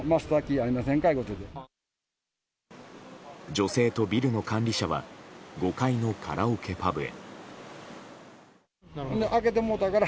女性とビルの管理者は５階のカラオケパブへ。